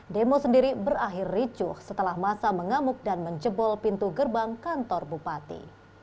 demo sendiri berakhir ricuh setelah masa mengamuk dan menjebol pintu gerbang kantor bupati